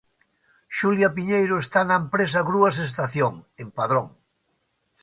Xulia Piñeiro está na empresa Grúas Estación, en Padrón...